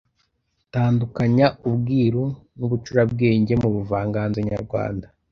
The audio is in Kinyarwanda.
Tandukanya ubwiru n’ubucurabwenge mu buvanganzo nyarwanda